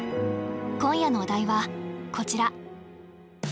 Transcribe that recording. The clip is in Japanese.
今夜のお題はこちら。